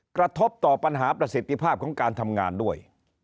กระทบต่อปัญหาประสิทธิภาพของการทำงานด้วย